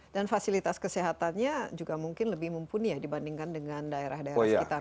dan fasilitas kesehatannya juga mungkin lebih mumpuni ya dibandingkan dengan daerah daerah sekitar